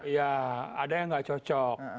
iya ada yang gak cocok